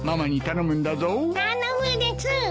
頼むです！